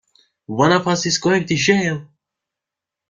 One of us is going to jail!